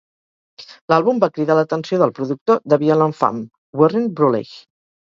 L'àlbum va cridar l'atenció del productor de Violent Femmes, Warren Bruleigh.